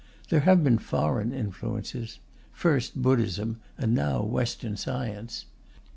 There have been foreign influences first Buddhism, and now Western science.